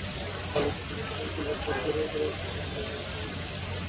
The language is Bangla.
বাংলাদেশের টিভি চ্যানেলগুলোয় একবার ঘুরে এলে হরর অনুভূতি এমনিতেই পাওয়া যায়।